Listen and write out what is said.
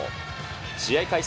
試合開始